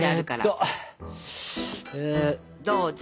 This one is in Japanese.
どうぞ。